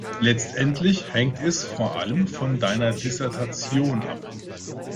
Letztendlich hängt es vor allem von deiner Dissertation ab.